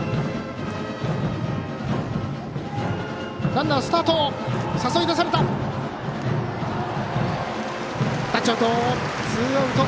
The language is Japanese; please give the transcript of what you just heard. ランナースタート！